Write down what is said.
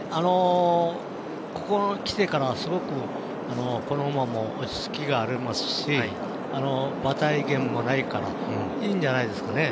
ここにきてからすごく、この馬も落ち着きがありますし馬体減もないからいいんじゃないですかね。